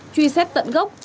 truy xét tận gốc